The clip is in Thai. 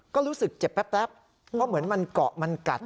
ก็รู้สึกเจ็บแป๊บเพราะเหมือนมันเกาะมันกัด